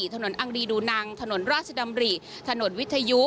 อังดีดูนังถนนราชดำริถนนวิทยุ